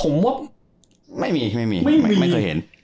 ไม่มีไม่เคยเห็น